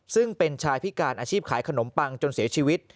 ซึ่งเป็นชายพิการอาชีพขายขนมปังจนเสียชีวิต